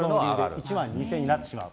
１万２０００円になってしまう。